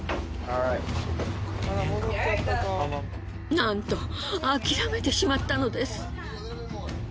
なんと諦めてしまったのです。